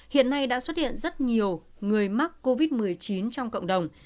hiện nay đã xuất hiện rất nhiều người mắc covid một mươi chín trong cộng đồng